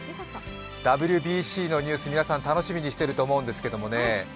ＷＢＣのニュース、皆さん楽しみにしていると思うんですけどね